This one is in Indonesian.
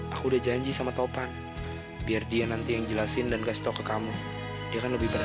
aku udah janji sama topan biar dia nanti yang jelasin dan kasih tau ke kamu dia kan lebih berat